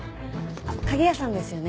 あっ鍵屋さんですよね？